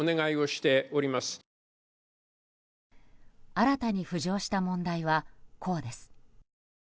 新たに浮上した問題はこうです。